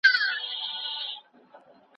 ایا کورني سوداګر وچه الوچه صادروي؟